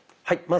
はい。